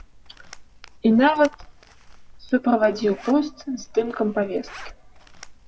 І нават суправадзіў пост здымкам павесткі.